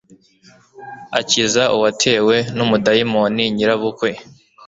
Akiza uwatewe n umudayimoni nyirabukwe